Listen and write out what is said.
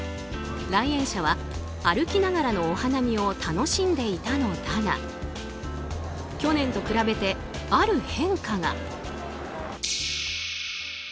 来園者は歩きながらのお花見を楽しんでいたのだが去年と比べてある変化が。